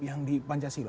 yang di pancasila